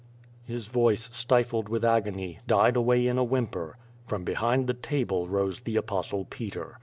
His voice, stifled with agony, died away in a whimper. From behind the table rose the Apostle Peter.